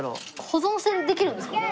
保存できるんですかね？